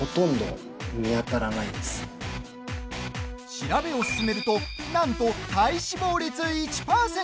調べを進めるとなんと体脂肪率１％。